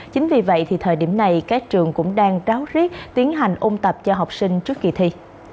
chính vì vậy thì thời điểm này các trường cũng đang ráo riết tiến hành ôn tập cho học sinh trước kỳ thi